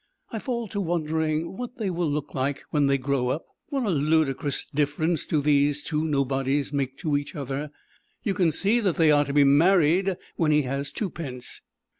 I fall to wondering what they will look like when they grow up. What a ludicrous difference do these two nobodies make to each other. You can see that they are to be married when he has twopence.